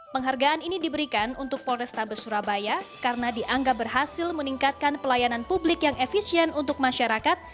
penghargaan ini diberikan untuk polrestabes surabaya karena dianggap berhasil meningkatkan pelayanan publik yang efisien untuk masyarakat